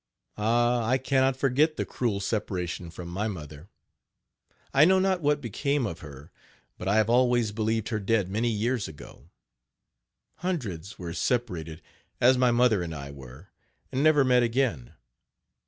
Ah! I cannot forget the cruel separation from my mother. I know not what became of her, but I have always believed her dead many years ago. Hundreds were separated, as my mother and I were, and never met again.